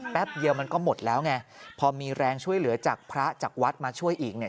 เดียวมันก็หมดแล้วไงพอมีแรงช่วยเหลือจากพระจากวัดมาช่วยอีกเนี่ย